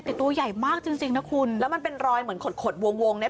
แต่ตัวใหญ่มากจริงจริงนะคุณแล้วมันเป็นรอยเหมือนขดขดวงเนี่ย